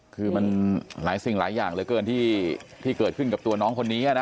คือมันหลายสิ่งหลายอย่างเหลือเกินที่เกิดขึ้นกับตัวน้องคนนี้นะ